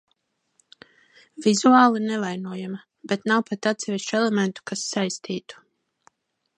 Vizuāli nevainojama, bet nav pat atsevišķu elementu, kas saistītu.